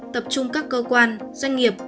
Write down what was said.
tập trung các cơ quan doanh nghiệp